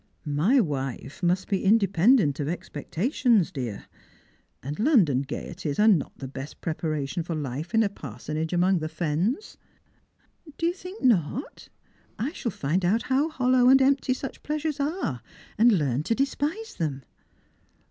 "My wife must be independent of expectations, dear. And London gaieties are not the best preparation for life in a par sonage among the fens." " Do you think not ? I shall find out how hollow and empty such pleasures are, and learn to despise them."